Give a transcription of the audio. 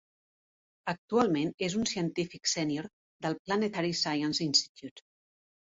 Actualment és un científic sènior del Planetary Science Institute.